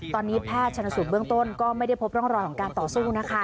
ตอนนี้แพทย์ชนสูตรเบื้องต้นก็ไม่ได้พบร่องรอยของการต่อสู้นะคะ